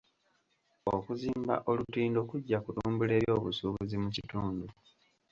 Okuzimba olutindo kujja kutumbula ebyobusuubuzi mu kitundu.